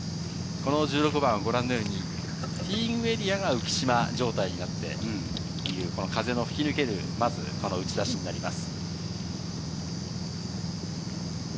１６番はご覧のようにティーイングエリアが浮き島状態になって、風の吹き抜ける打ちだしになります。